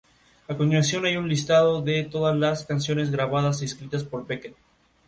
Bonifacio fue sucedido por su hijo menor, Demetrio.